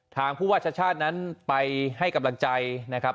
ผู้ว่าชาติชาตินั้นไปให้กำลังใจนะครับ